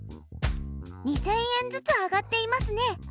２０００円ずつ上がっていますね。